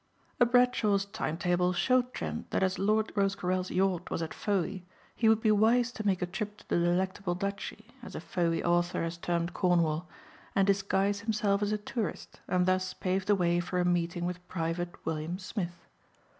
A Bradshaw's time table showed Trent that as Lord Rosecarrel's yacht was at Fowey he would be wise to make a trip to the Delectable Duchy, as a Fowey author has termed Cornwall, and disguise himself as a tourist and thus pave the way for a meeting with Private William Smith.